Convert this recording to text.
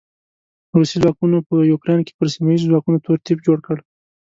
روسي ځواکونو په يوکراين کې پر سیمه ايزو ځواکونو تور تيپ جوړ کړ.